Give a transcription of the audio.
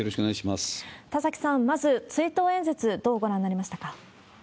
田崎さん、まず、追悼演説、どうご覧になりましたか？